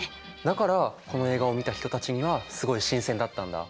だからこの映画を見た人たちにはすごい新鮮だったんだ。